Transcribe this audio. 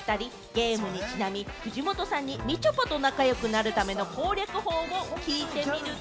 ゲームにちなみ、藤本さんにみちょぱと仲良くなるための攻略法を聞いてみると。